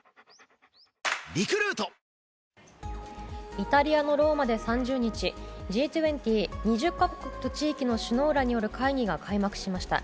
イタリアのローマで３０日Ｇ２０・２０か国・地域首脳らによる会議が開幕しました。